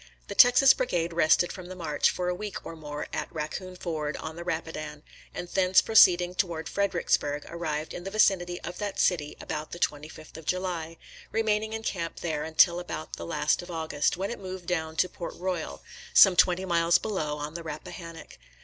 The Texas Brigade rested from the march for a week or more at Raccoon Ford on the Rapidan, and thence proceeding toward Fredericksburg, arrived in the vicinity of that city about the 25th of July, remaining in camp there until about the last of August, when it moved down to Port Royal, some twenty miles below, on the Rappahannock.